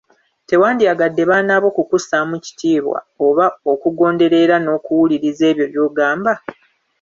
Tewandyagadde baana bo kukussaamu kitiibwa oba okukugondera era n'okuwuliriza ebyo by'obagamba ?